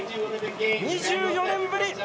２４年ぶり